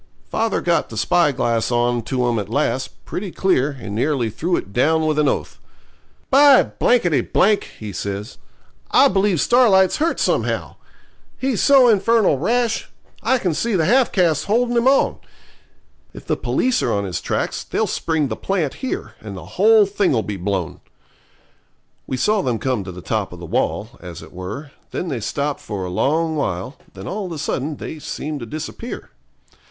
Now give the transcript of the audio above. Father got the spyglass on to 'em at last, pretty clear, and nearly threw it down with an oath. 'By !' he says, 'I believe Starlight's hurt somehow. He's so infernal rash. I can see the half caste holding him on. If the police are on his tracks they'll spring the plant here, and the whole thing'll be blown.' We saw them come to the top of the wall, as it were, then they stopped for a long while, then all of a sudden they seemed to disappear.